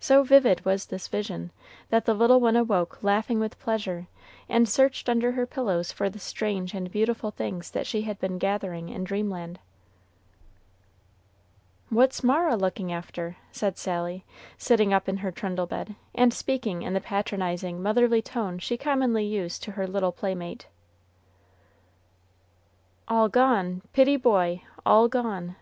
So vivid was this vision, that the little one awoke laughing with pleasure, and searched under her pillows for the strange and beautiful things that she had been gathering in dreamland. "What's Mara looking after?" said Sally, sitting up in her trundle bed, and speaking in the patronizing motherly tone she commonly used to her little playmate. "All gone, pitty boy all gone!"